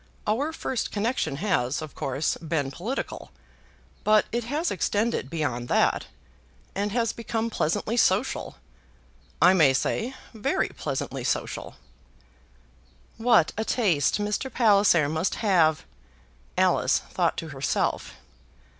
Our first connection has, of course, been political; but it has extended beyond that, and has become pleasantly social; I may say, very pleasantly social." "What a taste Mr. Palliser must have!" Alice thought to herself.